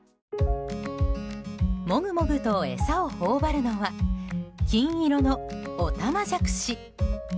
もぐもぐと餌を頬張るのは金色のオタマジャクシ。